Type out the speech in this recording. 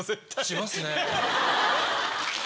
しますね。